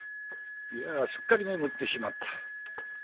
いやすっかり眠ってしまった。